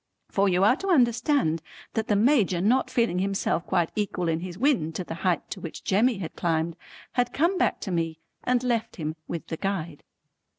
For you are to understand that the Major not feeling himself quite equal in his wind to the height to which Jemmy had climbed, had come back to me and left him with the Guide.